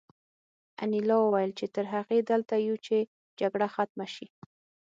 انیلا وویل چې تر هغې دلته یو چې جګړه ختمه شي